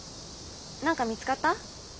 なんか見つかった？